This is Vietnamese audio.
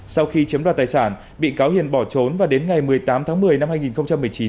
sau khi chiếm đoạt tài sản bị cáo hiền bỏ trốn và đến ngày một mươi tám tháng một mươi năm hai nghìn một mươi chín